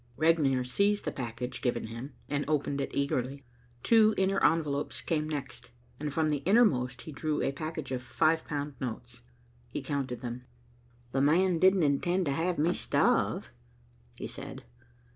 Regnier seized the package given him, and opened it eagerly. Two inner envelopes came next, and from the innermost he drew a package of five pound notes. He counted them. "'The man' didn't intend to have me starve," he said.